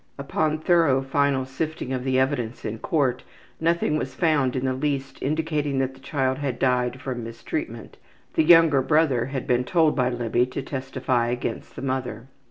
Upon thorough final sifting of the evidence in court nothing was found in the least indicating that the child had died from mistreatment. The younger brother had been told by Libby to testify against the mother.